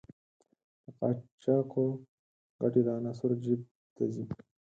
د قاچاقو ګټې د عناصرو جېب ته ځي.